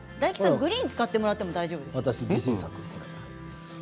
グリーンを使ってもらってもいいですよ。